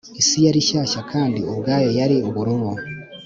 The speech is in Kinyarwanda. isi yari shyashya, kandi ubwayo yari ubururu